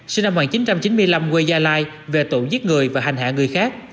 sinh năm một nghìn chín trăm chín mươi năm quê gia lai về tội giết người và hành hạ người khác